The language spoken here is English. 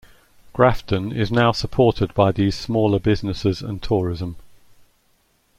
Grafton is now supported by these smaller businesses and tourism.